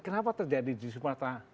kenapa terjadi di sumatera